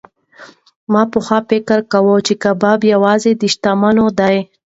ما پخوا فکر کاوه چې کباب یوازې د شتمنو دی.